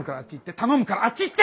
頼むからあっち行って！